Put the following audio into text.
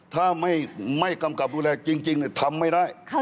ถ้าไม่กำกับดูแลจริงทำไม่ได้